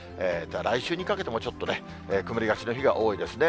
来週にかけてもちょっとね、曇りがちの日が多いですね。